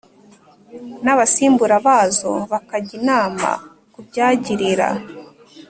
n abasimbura bazo bakajya inama ku byagirira